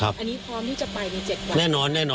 อันนี้พร้อมที่จะไปใน๗วัน